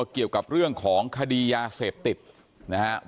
เกี่ยวกับเรื่องของคดียาเสพติดนะครับ